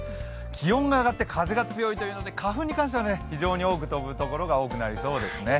気温が上がって風が強いというので、花粉に関しては非常に多く飛ぶところが多くなりそうですね。